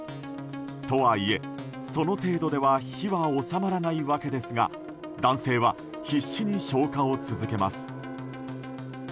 とはいえ、その程度では火は収まらないわけですが男性は必死に消火を続けます。